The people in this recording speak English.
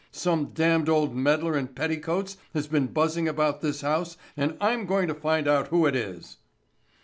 Some damned old meddler in petticoats has been buzzing about this house and I'm going to find out who it is."